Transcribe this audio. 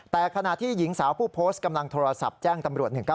แต่ขณะที่หญิงสาวผู้โพสต์กำลังโทรศัพท์แจ้งตำรวจ๑๙